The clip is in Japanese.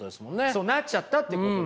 そうなっちゃったっていうことですね。